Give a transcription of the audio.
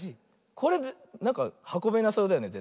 これなんかはこべなそうだよねぜったい。